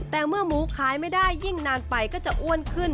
แต่เมื่อหมูขายไม่ได้ยิ่งนานไปก็จะอ้วนขึ้น